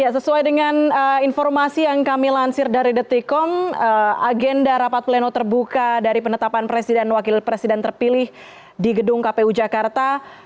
sesuai dengan informasi yang kami lansir dari detikom agenda rapat pleno terbuka dari penetapan presiden wakil presiden terpilih di gedung kpu jakarta